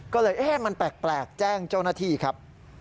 ก็เลยเอ๊ะมันแปลกแจ้งเจ้าหน้าที่ครับ